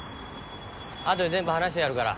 後で全部話してやるから。